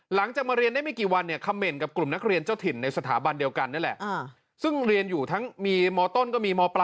หลังจากมาเรียนได้ไม่กี่วันเนี่ยคัมเม้นกับกลุ่มนักเรียนเจ้าถิ่นในสถาบรรดีเดียวกันนี่แหละ